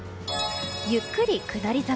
ゆっくり下り坂。